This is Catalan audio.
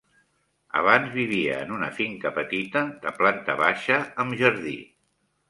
Abans vivia en una finca petita de planta baixa amb jardí.